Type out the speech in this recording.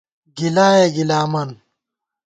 گِلائے گِلامن